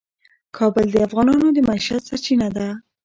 کابل د افغانانو د معیشت سرچینه ده.